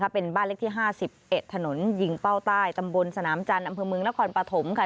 เป็นบ้านเล็กที่๕๑ถนนยิงเป้าใต้ตำบลสนามจันทร์อำเภอเมืองนครปฐมค่ะ